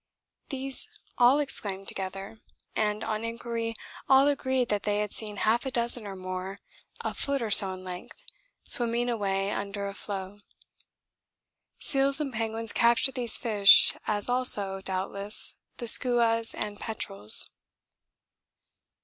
These all exclaimed together, and on inquiry all agreed that they had seen half a dozen or more a foot or so in length swimming away under a floe. Seals and penguins capture these fish, as also, doubtless, the skuas and the petrels.